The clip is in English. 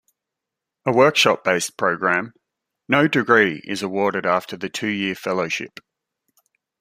A workshop-based program, no degree is awarded after the two-year fellowship.